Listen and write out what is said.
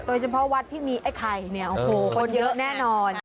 โดยเฉพาะวัดที่มีไอ้ไข่คนเยอะแน่นอน